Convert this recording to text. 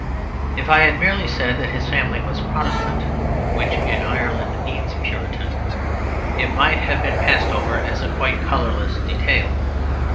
If I had merely said that his family was Protestant (which in Ireland means Puritan) it might have been passed over as a quite colourless detail.